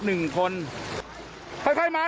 หนึ่งคนค่อยมาไหวไหม